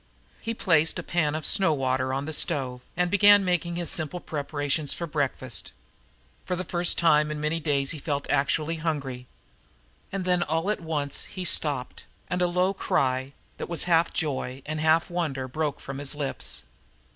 He placed a pan of snow water on the stove and began making his simple preparations for breakfast. For the first time in many days he felt actually hungry. And then all at once he stopped, and a low cry that was half joy and half wonder broke from his lips.